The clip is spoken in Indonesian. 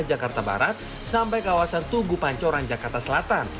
jakarta barat sampai kawasan tugu pancoran jakarta selatan